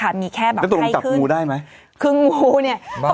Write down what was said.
แล้วตรงนี้มันจับงูได้มั้ย